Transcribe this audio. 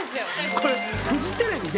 これフジテレビで。